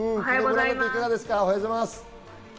おはようございます。